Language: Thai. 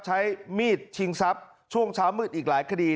ใช้มีดชิงทรัพย์ช่วงเช้ามืดอีกหลายคดี